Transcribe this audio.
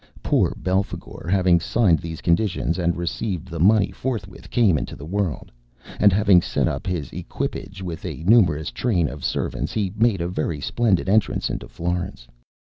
Poor Belphagor having signed these conditions and received the money, forthwith came into the world, and having set up his equipage, with a numerous train of servants, he made a very splendid entrance into Florence.